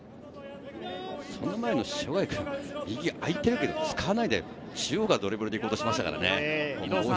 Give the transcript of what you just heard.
その前の塩貝君、右あいてるけど使わないで、中央からドリブルで行こうとしましたからね。